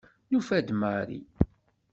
Nufa-d Mari.